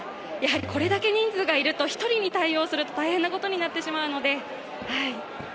これだけ人数がいると、１人に対応すると大変なことになってしまうので。